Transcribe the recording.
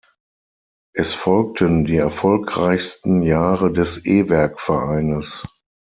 Es folgten die erfolgreichsten Jahre des E-Werk-Vereines.